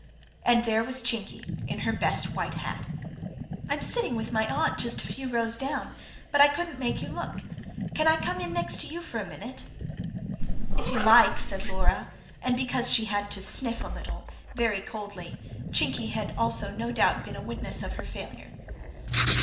and there was Chinky, in her best white hat. "I'm sitting with my aunt just a few rows down; but I couldn't make you look. Can I come in next to you for a minute?" "If you like," said Laura and, because she had to sniff a little, very coldly: Chinky had no doubt also been a witness of her failure.